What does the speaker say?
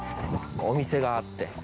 お店があって。